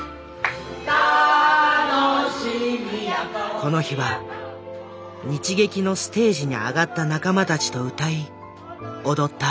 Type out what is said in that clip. この日は日劇のステージに上がった仲間たちと歌い踊った。